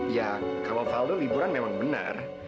ya kawal kavaldo liburan memang bener